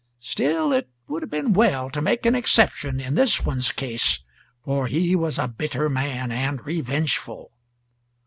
Still, it would have been well to make an exception in this one's case, for he was a bitter man, and revengeful.